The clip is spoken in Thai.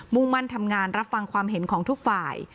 ่งมั่นทำงานรับฟังความเห็นของทุกฝ่าย